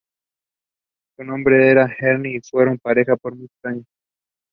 Su nombre era Hermine y fueron pareja por muchos años.